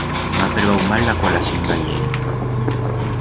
M'ha prebau mal la colación d'ahiere.